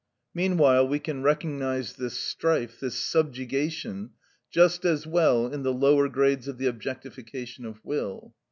Meanwhile we can recognise this strife, this subjugation, just as well in the lower grades of the objectification of will.